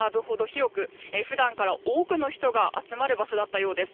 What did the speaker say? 広く普段から多くの人が集まる場所だったようです。